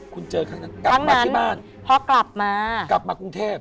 คุณเจอครั้งนั้นกลับมาที่บ้านพอกลับมากลับมากรุงเทพ